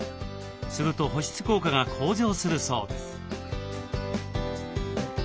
すると保湿効果が向上するそうです。